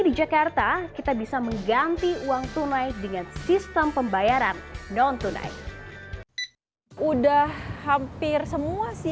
di jakarta kita bisa mengganti uang tunai dengan sistem pembayaran non tunai udah hampir semua sih